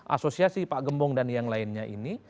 asosiasi pak gembong dan yang lainnya ini